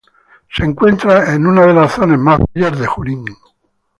Se encuentra en una de las zonas más bellas de Junín.